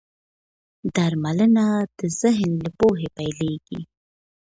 درملنه د ذهن له پوهې پيلېږي.